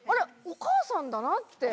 お母さんだなって。